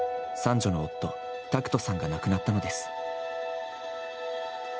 三女の夫・拓人さんが亡くなったのです。